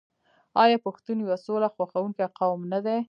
آیا پښتون یو سوله خوښوونکی قوم نه دی؟